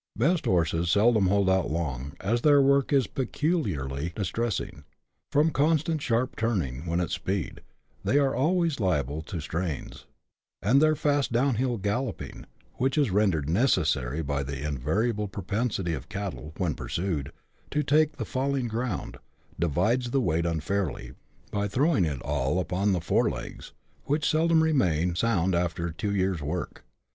The best horses seldom hold out long, as their work is peculiarly distressing ; from constant sharp turning when at speed, they are always liable to strains, and their fast down hill galloping, which is rendered necessary by the invariable propensity of cattle, when pursued, to take the falling ground, divides the weight unfairly, by throwing it all upon their fore legs, which seldom remain sound after two years' work.